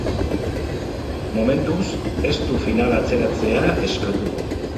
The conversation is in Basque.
Momentuz ez du finala atzeratzea eskatuko.